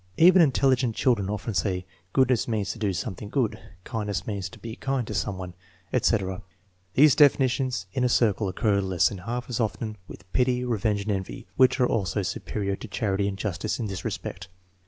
Even intelligent children often say: " Goodness means to do some thing good," " Kindness means to be kind to some one," 1 See also p. 298 ff. 286 THE MEASUREMENT OF INTELLIGENCE etc. These definitions in a circle occur less than half as often with pity, revenge, and envy, which are also superior to charity and justice in this respect.